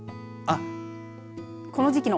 この時期の。